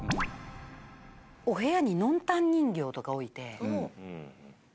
お部屋にノンタン人形とか置いておお。